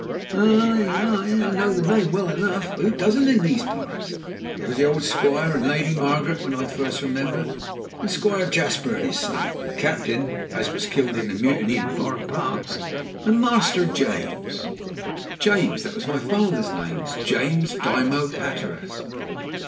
"Ay! ay! I know the name well enough; who doesn't in these parts? There was the old Squire and Lady Margaret when first I remember. Then Squire Jasper and his son, the captain, as was killed in the mutiny in foreign parts and Master James " "James that was my father's name. James Dymoke Hatteras."